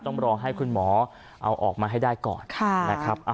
ต้องรอให้คุณหมอเอาออกมาให้ได้ก่อนนะครับ